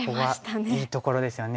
そこはいいところですよね。